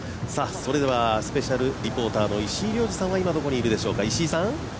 それではスペシャルリポーターの石井亮次さんは今どこにいるでしょうか。